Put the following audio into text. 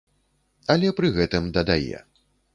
Але пры гэтым дадае.